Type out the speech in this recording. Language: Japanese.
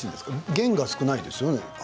弦が少ないですよね